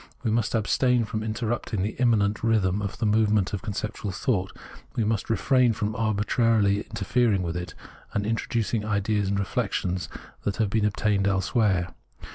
We must abstain from interrupting the immanent rhythm of the move ment of conceptual thought ; we must refrain from arbitrarily interfering with it, and introducing ideas and reflections that have been obtained elsewhere.